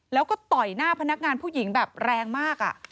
แล้วก็ต่อยหน้าพนักงานผู้หญิงแบบแรงมาก